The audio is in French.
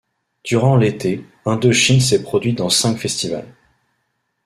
Durant l'été, Indochine s'est produit dans cinq festivals.